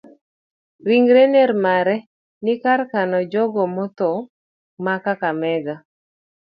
Ringre ner mare ni e kar kano jogo motho ma kakamega.